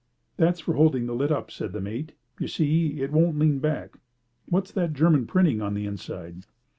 "That's for holding the lid up," said the mate. "You see, it won't lean back. What's that German printing on the inside?"